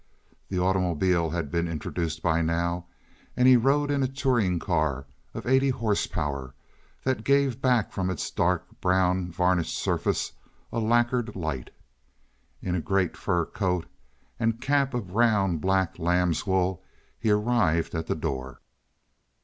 The automobile had been introduced by now, and he rode in a touring car of eighty horse power that gave back from its dark brown, varnished surface a lacquered light. In a great fur coat and cap of round, black lamb's wool he arrived at the door.